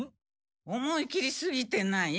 思い切りすぎてない？